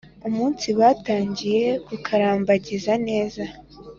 umunsi batangiye kukarambagiza neza